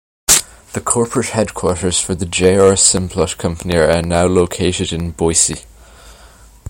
The corporate headquarters for the J. R. Simplot Company are now located in Boise.